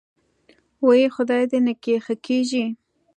وۍ خدای دې نکي ښه کېږې.